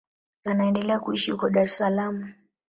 Anaendelea kuishi huko Dar es Salaam.